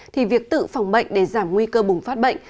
thì việc tự phòng bệnh để giảm nguy cơ bùng phát bệnh